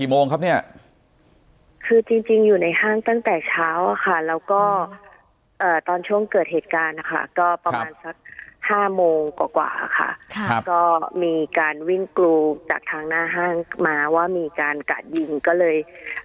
๕โมงกว่าค่ะก็มีการวิ่งกรูจากทางหน้าห้างมาว่ามีการกัดยิงก็เลย